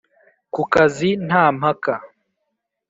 ku kazi nta mpaka,